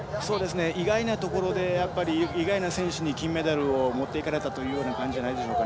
意外なところで意外な選手に金メダルを持っていかれたという感じじゃないでしょうか。